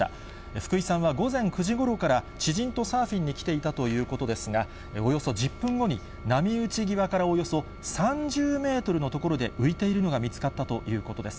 福井さんは午前９時ごろから知人とサーフィンに来ていたということですが、およそ１０分後に波打ち際からおよそ３０メートルの所で浮いているのが見つかったということです。